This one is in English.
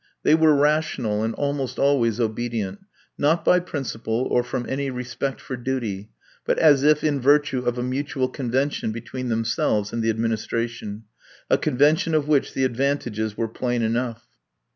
They were rational, and almost always obedient, not by principle, or from any respect for duty, but as if in virtue of a mutual convention between themselves and the administration a convention of which the advantages were plain enough.